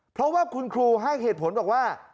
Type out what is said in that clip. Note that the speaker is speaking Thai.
เพราะว่าคุณครูให้เหตุผลบอกว่า